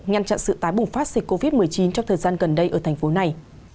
ngăn chặn sự tái bùng phát dịch covid một mươi chín trong thời gian gần đây ở thành phố này